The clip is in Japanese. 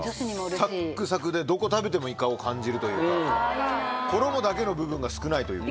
サックサクでどこ食べてもイカを感じるというか衣だけの部分が少ないというか。